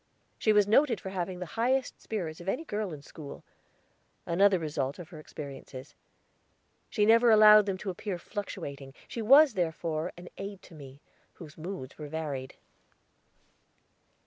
She was noted for having the highest spirits of any girl in school another result of her experiences. She never allowed them to appear fluctuating; she was, therefore, an aid to me, whose moods varied.